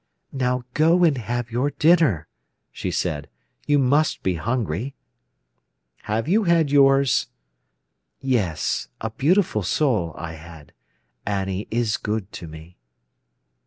"Now go and have your dinner," she said. "You must be hungry." "Have you had yours?" "Yes; a beautiful sole I had. Annie is good to me."